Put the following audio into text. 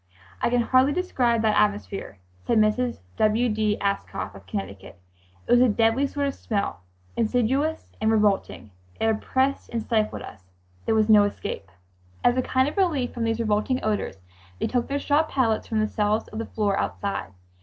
"I can hardly describe that atmosphere," said Mrs. W. D. Ascough, of Connecticut. "It was a deadly sort of smell, insidious and revolting. It oppressed and stifled us. There was no escape." As a kind of relief from these revolting odors, they took their straw pallets from the cells to the floor outside.